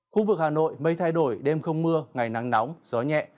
khu vực hà nội mây thay đổi đêm không mưa ngày nắng nóng gió nhẹ